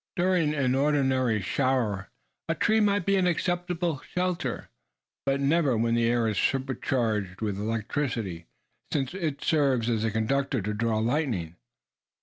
During an ordinary shower a tree may be an acceptable shelter, but never when the air is sur charged with electricity; since it serves as a conductor to draw the lightning.